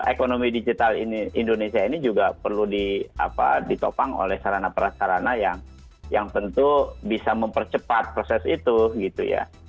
ekonomi digital indonesia ini juga perlu ditopang oleh sarana perasarana yang tentu bisa mempercepat proses itu gitu ya